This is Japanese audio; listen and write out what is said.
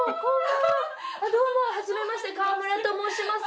どうもはじめまして川村と申します。